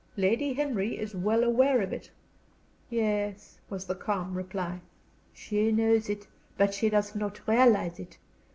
"Lady Henry is well aware of it." "Yes," was the calm reply, "she knows it, but she does not realize it.